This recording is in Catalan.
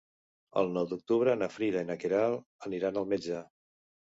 El nou d'octubre na Frida i na Queralt aniran al metge.